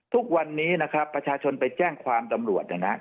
ทุกวันนี้นะครับประชาชนไปแจ้งความตำรวจเนี่ยนะ